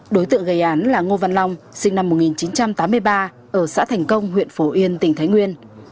đối tượng gây án là ngô văn long sinh năm một nghìn chín trăm tám mươi ba ở xã thành công huyện phổ yên tỉnh thái nguyên